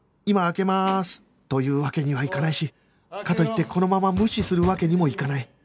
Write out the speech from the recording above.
今開けまーす！というわけにはいかないしかといってこのまま無視するわけにもいかない